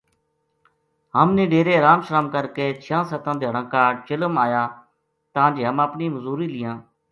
ہم نے ڈیرے ارام شرام کر کے چھیاں ستاں دھیاڑاں کاہڈ چلم آیا تاں جے ہم اپنی مزوری لیاں